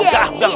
udah pa create